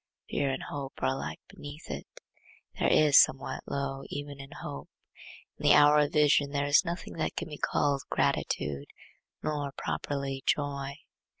Fear and hope are alike beneath it. There is somewhat low even in hope. In the hour of vision there is nothing that can be called gratitude, nor properly joy.